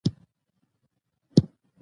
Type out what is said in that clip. افغانستان په تاریخ غني دی.